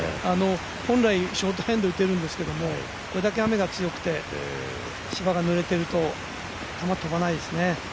本来、ショートアイアンで打てるんですけどこれだけ雨が強くて芝がぬれていると球、飛ばないですね。